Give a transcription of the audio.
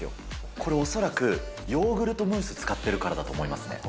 これ、恐らく、ヨーグルトムース使っているからだと思いますね。